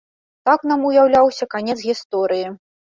Так нам уяўляўся канец гісторыі.